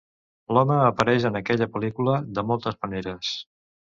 L'home apareix en aquesta pel·lícula de moltes maneres.